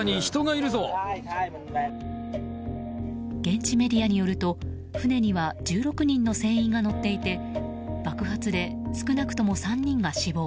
現地メディアによると船には１６人の船員が乗っていて爆発で少なくとも３人が死亡。